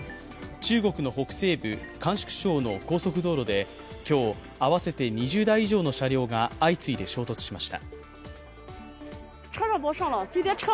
中国の北西部、甘粛省蘭州市の高速道路で今日、合わせて２０台以上の車両が相次いで衝突しました。